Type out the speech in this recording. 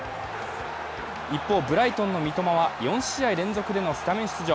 一方、ブライトンの三笘は４試合連続でのスタメン出場。